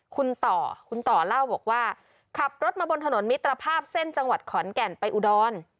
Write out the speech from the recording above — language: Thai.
คุณต่อคุณต่อเล่าบอกว่าขับรถมาบนถนนมิตรภาพเส้นจังหวัดขอนแก่นไปอุดร